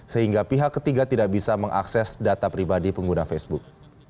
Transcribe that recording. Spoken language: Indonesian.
sehingga pihak ketiga tidak bisa mengakses data pribadi pengguna facebook